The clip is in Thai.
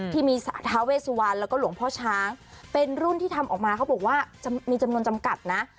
ที่มีทาเวสุวรรณแล้วก็หลวงพ่อช้างเป็นรุ่นที่ทำออกมาเขาบอกว่าจะมีจำนวนจำกัดนะ